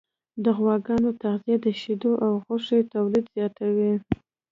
د غواګانو تغذیه د شیدو او غوښې تولید زیاتوي.